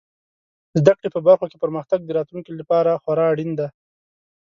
زده کړې په برخو کې پرمختګ د راتلونکي لپاره خورا اړین دی.